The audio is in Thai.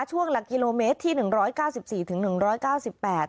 ช่วงหลักกิโลเมตรที่หนึ่งร้อยเก้าสิบสี่ถึงหนึ่งร้อยเก้าสิบแปด